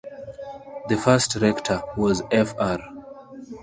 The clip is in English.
The first rector was Fr.